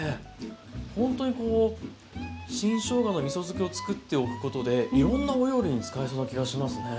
ほんとにこう新しょうがのみそ漬けを作っておくことでいろんなお料理に使えそうな気がしますね。